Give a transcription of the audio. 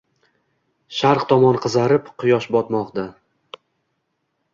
Sharq tomon qizarib, quyosh botmoqda